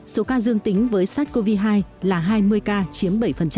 số ca dương tính với sars cov hai là hai mươi ca chiếm bảy